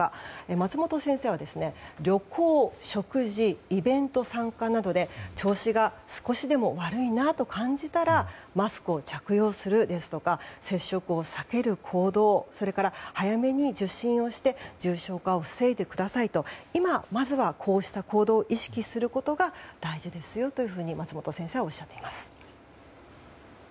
松本先生は、旅行、食事イベント参加などで調子が少しでも悪いなと感じたらマスクを着用するですとか接触を避ける行動それから早めに受診をして重症化を防いでくださいと今、まずはこうした行動を意識することが大事ですよというふうに松本先生はおっしゃっています。